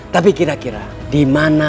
tapi kira kira di mana